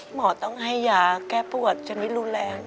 หมอต้องให้ยาแก้ปวดจนไม่รุนแรง